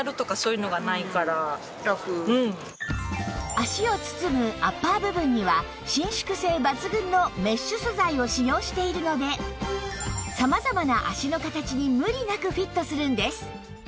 足を包むアッパー部分には伸縮性抜群のメッシュ素材を使用しているので様々な足の形に無理なくフィットするんです